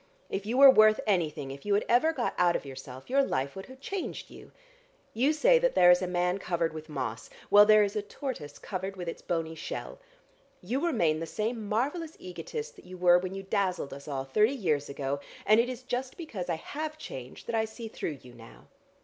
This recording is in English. If you were worth anything, if you had ever got out of yourself, your life would have changed you. You say that there is a man covered with moss: well, there is a tortoise covered with its bony shell. You remain the same marvellous egotist that you were when you dazzled us all thirty years ago, and it is just because I have changed that I see through you now.